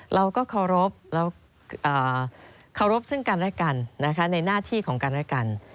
เราก็เคารพซึ่งกันและกันนะคะในหน้าที่ของกันและกัน